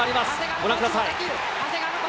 ご覧ください。